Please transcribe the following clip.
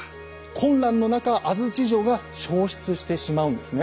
混乱の中安土城が消失してしまうんですね。